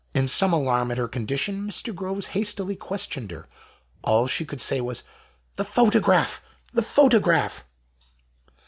In some alarm at her condition, Mr. Groves hastily questioned her ; all she could say was :" The photograph ! the photograph!